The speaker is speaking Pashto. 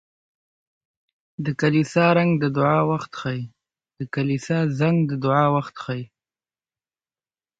• د کلیسا زنګ د دعا وخت ښيي.